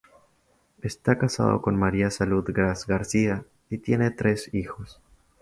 Está casado con María Salud Gras García y tiene tres hijos.